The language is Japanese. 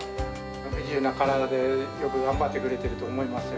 不自由な体で、よく頑張ってくれてると思いますよ。